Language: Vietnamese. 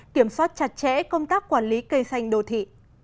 kiểm soát chặt chẽ công tác quản lý cây xanh đồ thị